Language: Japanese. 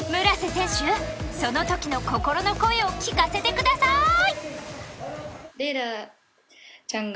村瀬選手、その時の心の声を聞かせてください